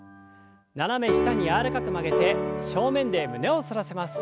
斜め下に柔らかく曲げて正面で胸を反らせます。